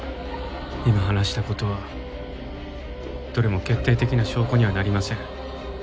今話した事はどれも決定的な証拠にはなりません。